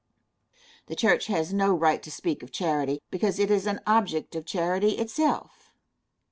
The church has no right to speak of charity, because it is an object of charity itself.